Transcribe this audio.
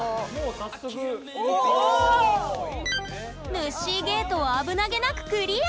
ぬっしーゲートを危なげなくクリア！